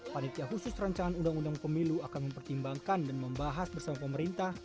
panitia khusus rancangan undang undang pemilu akan mempertimbangkan dan membahas bersama pemerintah